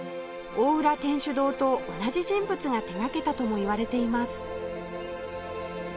大浦天主堂と同じ人物が手がけたともいわれています